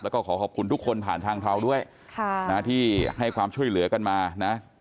แล้วก็ขอขอบคุณทุกคนผ่านทางเราด้วยที่ให้ความช่วยเหลือกันมานะ